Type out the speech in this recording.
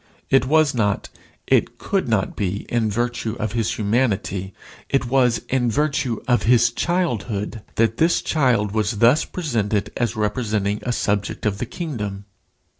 It was not, it could not be, in virtue of his humanity, it was in virtue of his childhood that this child was thus presented as representing a subject of the kingdom.